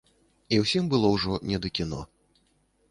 І ўсім было ўжо не да кіно.